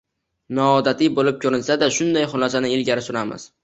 Noodatiy bo`lib ko`rinsa-da, shunday xulosani ilgari suramiz